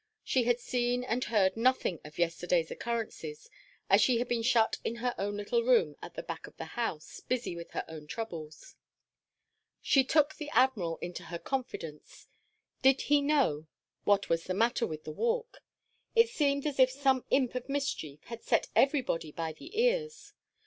She had seen and heard nothing of yesterday's occurrences, as she had been shut in her own little room at the back of the house, busy with her own troubles. She took the Admiral into her confidence. Did he know what was the matter with the Walk? It seemed as if some imp of mischief had set everybody by the ears.